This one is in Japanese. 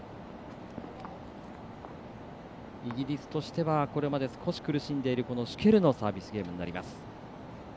イギリスとしてはこれまで少し苦しんでいるシュケルのサービスゲームになります。